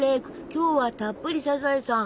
今日はたっぷりサザエさん！